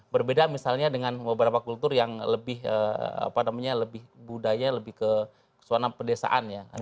berbeda misalnya dengan beberapa kultur yang lebih budaya lebih ke suara perdesaan ya